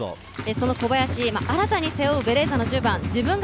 小林、新たに背負うベレーザ１０番。